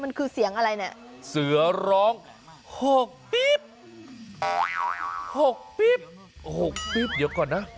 มันคือเสียงอะไรเนี่ยเสือร้อง๖ปี๊บ๖ปิ๊บ๖ปิ๊บเดี๋ยวก่อนนะ